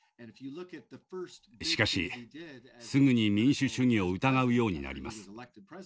しかしすぐに民主主義を疑うようになります。